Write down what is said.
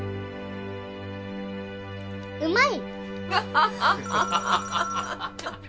うまい！